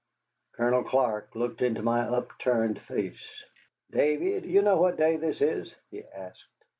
Colonel Clark looked into my upturned face. "Davy, do you know what day this is?" he asked.